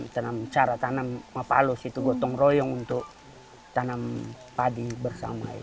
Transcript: tanam cara tanam maaf pak lusuh itu gotong royong untuk tanam padi bersama